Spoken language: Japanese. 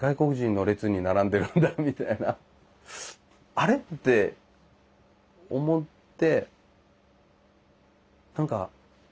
「あれ？」って思って。